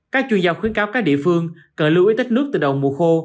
các chuyên gia khuyến cáo các địa phương cần lưu ý tích nước từ đầu mùa khô